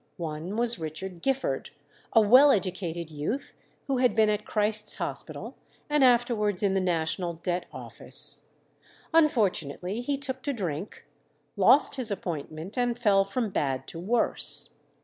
One was Richard Gifford, a well educated youth who had been at Christ's Hospital, and afterwards in the National Debt Office. Unfortunately he took to drink, lost his appointment, and fell from bad to worse.